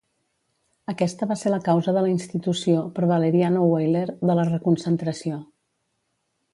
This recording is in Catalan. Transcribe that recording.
Aquesta va ser la causa de la institució, per Valeriano Weyler, de la reconcentració.